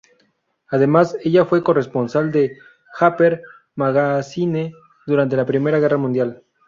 Además, ella fue corresponsal de "Harper's Magazine" durante la Primera Guerra Mundial.